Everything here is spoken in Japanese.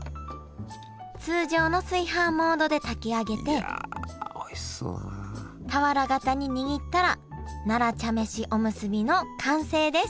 通常の炊飯モードで炊き上げて俵型ににぎったら奈良茶飯おむすびの完成です